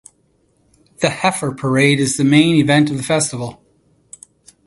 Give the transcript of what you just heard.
The heifer parade is the main event of the festival.